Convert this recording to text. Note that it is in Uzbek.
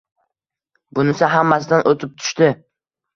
Bunisi hammasidan o`tib tushdi